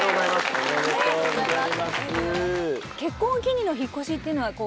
ありがとうございます！